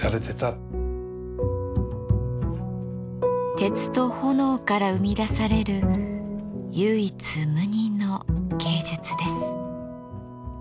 鉄と炎から生み出される唯一無二の芸術です。